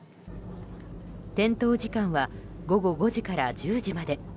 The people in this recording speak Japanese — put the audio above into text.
点灯時間は午後５時から１０時まで。